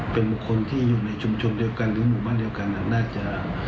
เป็นคนที่อยู่ในชุมชนหรือบุมาทเท่ากันน่าจะ